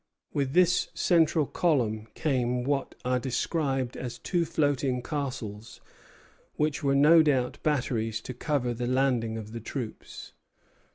With this central column came what are described as two floating castles, which were no doubt batteries to cover the landing of the troops.